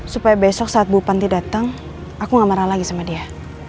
supaya besok saat bu panti datang aku gak marah lagi sama dia